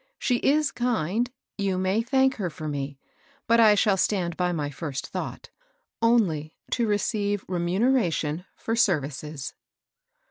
" She is kind, — you may thank her for me, — but I shall stand by my first thought, — only to receive remuneration for services."